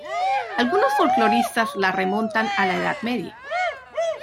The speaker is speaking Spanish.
Algunos folcloristas la remontan a la Edad Media.